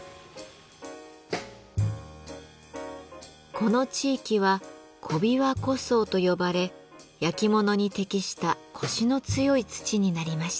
この地域は古琵琶湖層と呼ばれ焼き物に適したコシの強い土になりました。